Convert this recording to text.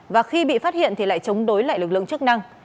và khi bị phát hiện thì lại chống đối lại lực lượng chức năng